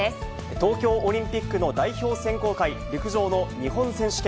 東京オリンピックの代表選考会、陸上の日本選手権。